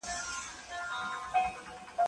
د لښکر لېږدولو پرېکړه د پراختيا لپاره وه.